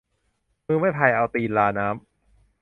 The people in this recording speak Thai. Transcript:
มือไม่พาย เอาตีนราน้ำ